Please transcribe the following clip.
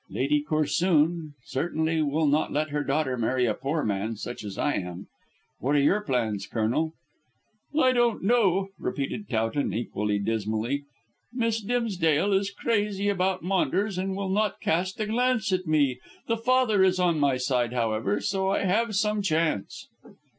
"Lady Corsoon certainly will not let her daughter marry a poor man such as I am. What are your plans, Colonel?" "I don't know," repeated Towton, equally dismally. "Miss Dimsdale is crazy about Maunders, and will not cast a glance at me. The father is on my side, however, so I have some chance."